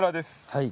はい。